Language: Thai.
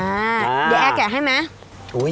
เดี๋ยวแอร์แกะให้ไหม